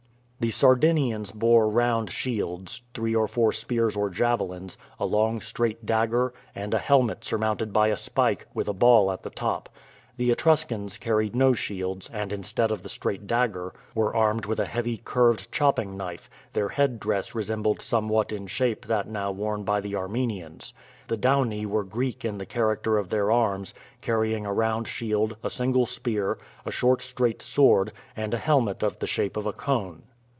The Sardinians bore round shields, three or four spears or javelins, a long straight dagger, and a helmet surmounted by a spike, with a ball at the top. The Etruscans carried no shields, and instead of the straight dagger were armed with a heavy curved chopping knife; their headdress resembled somewhat in shape that now worn by the Armenians. The Dauni were Greek in the character of their arms, carrying a round shield, a single spear, a short straight sword, and a helmet of the shape of a cone.